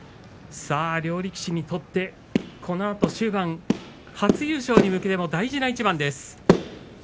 両力士にとってこのあと終盤初優勝に向けての大事な一番です。